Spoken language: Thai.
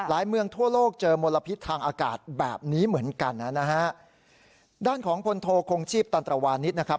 เมืองทั่วโลกเจอมลพิษทางอากาศแบบนี้เหมือนกันนะฮะด้านของพลโทคงชีพตันตรวานิสนะครับ